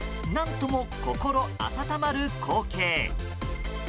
何とも心温まる光景。